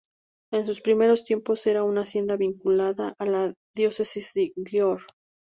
En sus primeros tiempos era una hacienda vinculada a la diócesis de Győr.